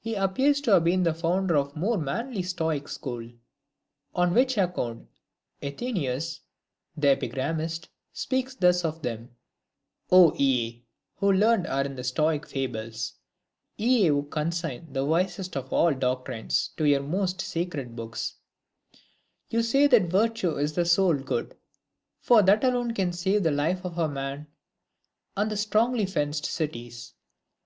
He appears to have been the founder of the more manly Stoic school ; on which account Athenasus, the epigrammatist, speaks thus of them :— 0 ye, who learned are in Stoic fables, Ye who consign the wisest of all doctrines 222 LIVES OF EMINENT PHILOSOPHERS. To your most sacred books ; you say that virtue Is the sole good ; for that alone can save The life of man, and strongly fenced cities.